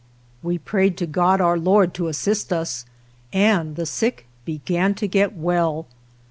We prayed to God our Lord to assist us, and the sick began to get well.